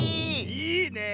いいねえ。